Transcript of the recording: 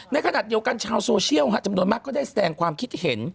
ในขณะเดียวกันชาวโซเชียลจำนวนมากก็ได้แสดงความคิดเห็น